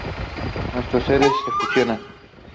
Nuestros seres se fusionan.